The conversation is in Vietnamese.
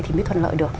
thì mới thuận lợi được